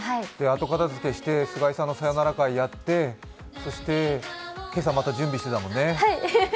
後片づけして菅井さんのさよなら会やって、そして今朝、また準備して、だもんね。